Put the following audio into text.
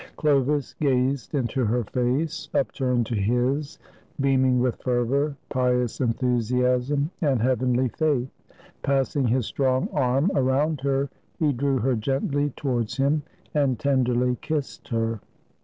Chlovis gazed into her face, upturned to his, beaming with fervor, pious enthusiasm, and heavenly faith. Pass ing his strong arm around her, he drew her gently to wards him, and tenderly kissed her.